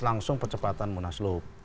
langsung percepatan munasloh